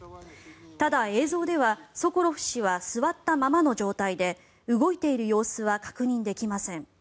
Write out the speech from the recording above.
ただ、映像ではソコロフ氏は座ったままの状態で動いている様子は確認できません。